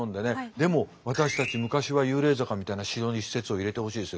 「でも私たち昔は幽霊坂」みたいな詩の一節を入れてほしいですよ